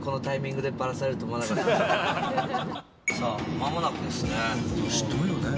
まもなくですね。